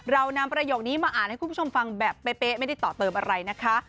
เรานำประโยคนี้มาอ่านให้คุณผู้ชมฟังแบบเป๊ะไม่ได้ต่อเติมอะไรนะคะ